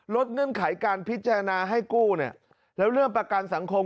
เงื่อนไขการพิจารณาให้กู้เนี่ยแล้วเรื่องประกันสังคม